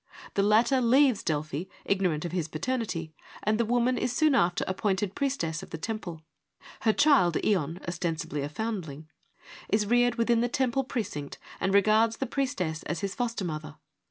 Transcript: The latter leaves Delphi, ignorant of his paternity, and the woman is soon after appointed priestess of the temple. Her child, Ion, ostensibily a foundling, is reared within the temple precinct and regards the priestess as his foster mother.